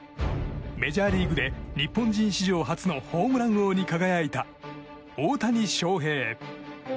メジャーリーグで日本人史上初のホームラン王に輝いた大谷翔平。